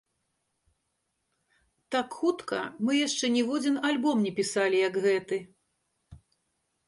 Так хутка мы яшчэ ніводзін альбом не пісалі, як гэты.